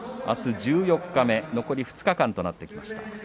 あす十四日目、残り２日間となってきました。